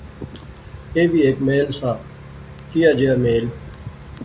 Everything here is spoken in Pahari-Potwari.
ایہہ وی ہیک میل سا، کیا جیا میل؟